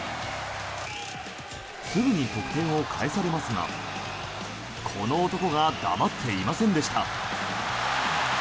すぐに得点を返されますがこの男が黙っていませんでした。